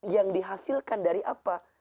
yang dihasilkan dari apa